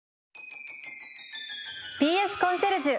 「ＢＳコンシェルジュ」。